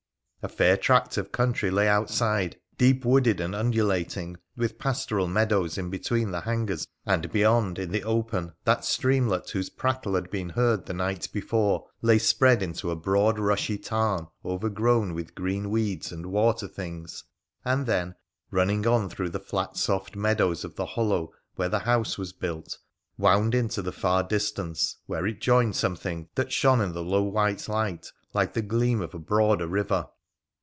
A fair tract of country lay outside, deep wooded and undulating, with pastoral mea dows in between the hangers, and beyond, in the open, that streamlet whose prattle had been heard the night before lay spread into a broad rushy tarn overgrown with green weeds and water things, and then running on through the flat soft meadows of this hollow where the house was built wound into the far distance, where it joined something that shone in the low white light like the gleam of a broader river.